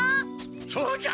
そうじゃ！